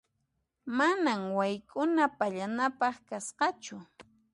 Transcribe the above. Manan wayk'una pallanapaq kasqachu.